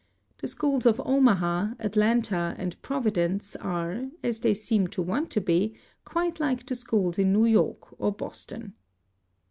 The schools of Omaha, Atlanta, and Provi dence are, as they seem to want to be, quite like the schools in New York or Boston.